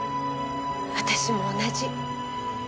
私も同じ。